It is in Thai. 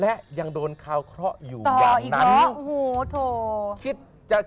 และยังโดนขาวเคราะห์อยู่อย่างนั้นต่ออีกเหรอโถ่